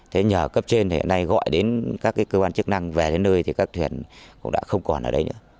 thế nhờ cấp trên thì hiện nay gọi đến các cơ quan chức năng về đến nơi thì các thuyền cũng đã không còn ở đây nữa